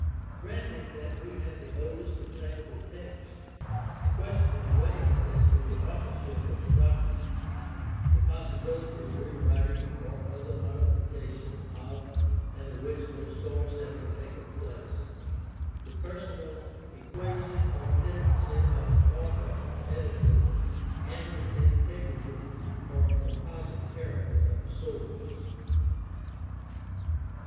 Granting that we have the oldest obtainable text, the question is raised as to the authorship of the document, the possibility of rewriting or other modification of an original source having taken place, the personal equation or "tendency" of an author or editor, and the integrity or composite character of a source.